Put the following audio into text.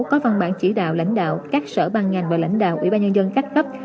có văn bản chỉ đạo lãnh đạo các sở ban ngành và lãnh đạo ủy ban nhân dân các cấp